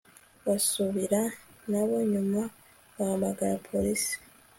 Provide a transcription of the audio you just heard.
basubira nabo nyuma bahamagara polisi